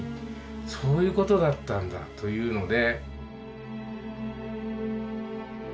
そういうことだったんだというので。